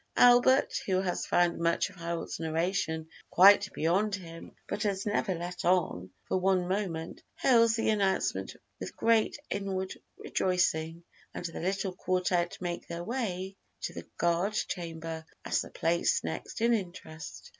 Albert, who has found much of Harold's narration quite beyond him, but has "never let on" for one moment, hails the announcement with great inward rejoicing, and the little quartette make their way to the Guard Chamber, as the place next in interest.